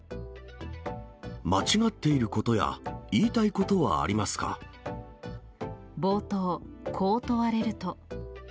間違っていることや、言いた冒頭、こう問われると。